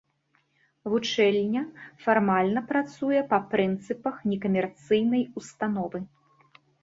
Вучэльня фармальна працуе па прынцыпах некамерцыйнай установы.